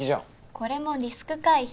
これもリスク回避。